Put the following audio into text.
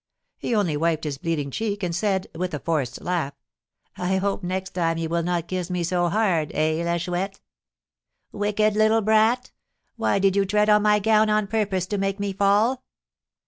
He only wiped his bleeding cheek, and said, with a forced laugh: "I hope next time you will not kiss me so hard, eh, La Chouette?" "Wicked little brat! Why did you tread on my gown on purpose to make me fall?"